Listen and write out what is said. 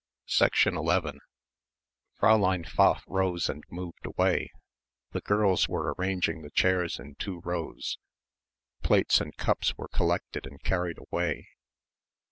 11 Fräulein Pfaff rose and moved away. The girls were arranging the chairs in two rows plates and cups were collected and carried away.